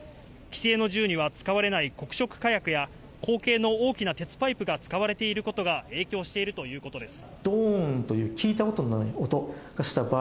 既製の銃には使われない黒色火薬や、口径の大きな鉄パイプが使われていることが影響しているということです。